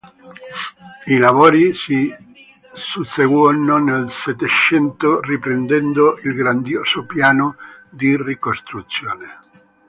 I lavori si susseguono nel Settecento riprendendo il grandioso piano di ricostruzione.